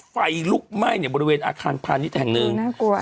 ไฟลุกไหม้ในบริเวณอาคารพาณิชย์แห่งหนึ่งน่ากลัว